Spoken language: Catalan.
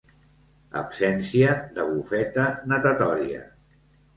Absència de bufeta natatòria.